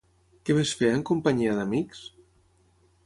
Què més feia en companyia d'amics?